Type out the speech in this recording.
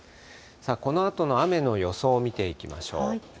さあこのあとの雨の予想を見ていきましょう。